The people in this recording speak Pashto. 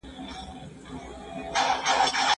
د طلاق کچه د وخت په تیریدو بدلیږي.